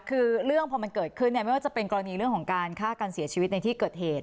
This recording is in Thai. คือเรื่องพอมันเกิดขึ้นไม่ว่าจะเป็นกรณีเรื่องของการฆ่ากันเสียชีวิตในที่เกิดเหตุ